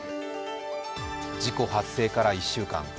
事故発生から１週間。